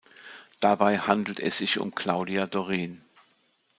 Dabei handelt es sich um Claudia Doren.